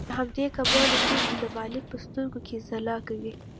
له همدې کبله توکي د مالک په سترګو کې ځلا کوي